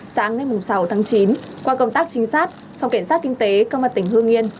sáng ngày sáu tháng chín qua công tác trinh sát phòng kiểm soát kinh tế công an tỉnh hương yên